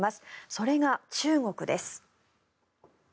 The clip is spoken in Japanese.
それが中国です。